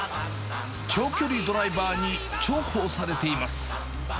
長距離ドライバーに重宝されています。